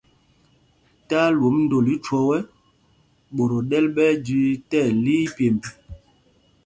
Tí alwomb ndol ithwɔɔ, ɓot o ɗɛl ɓɛ ɛjüü tí ɛli ipyemb.